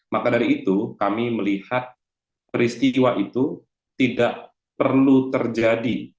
maka dari itu kami melihat peristiwa itu tidak perlu terjadi